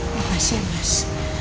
terima kasih ya mas